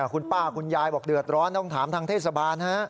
คุณป้าคุณยายบอกเดือดร้อนต้องถามทางเทศบาลฮะ